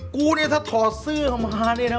กูเนี่ยถ้าถอดเสื้อเข้ามาเนี่ยนะ